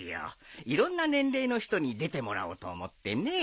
いろんな年齢の人に出てもらおうと思ってね。